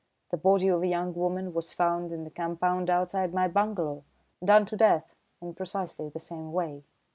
The body of a young woman was found in the compound outside my bungalow, done to death in precisely the same way.